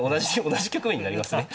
同じ局面になりますね。